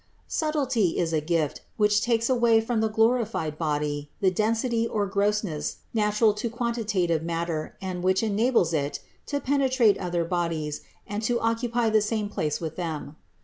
172. Subtility is a gift, which takes away from the glorified body the density or grossness natural to quanti tative matter and which enables it to penetrate other bodies and to occupy the same place with them.